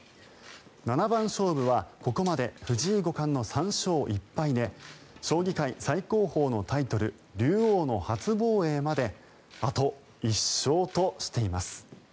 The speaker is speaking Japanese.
七番勝負はここまで藤井五冠の３勝１敗で将棋界最高峰のタイトル竜王の初防衛まであと１勝としています。